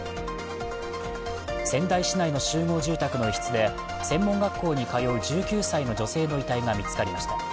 仙台市内の集合住宅の自宅の一室で専門学校に通う１９歳の女性の遺体が見つかりました。